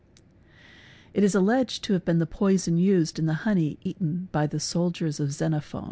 It is alleged to have been the poison used in the honey eaten by the soldiers of Xenophon.